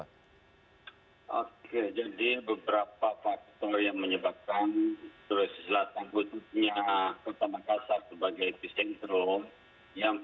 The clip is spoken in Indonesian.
oke jadi beberapa faktor yang menyebabkan